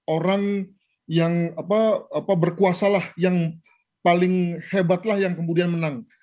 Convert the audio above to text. orang yang berkuasalah yang paling hebat lah yang kemudian menang